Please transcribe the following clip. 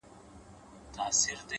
سیاه پوسي ده” خاوري مي ژوند سه”